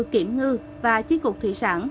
kiểm ngư và tri cục thủy sản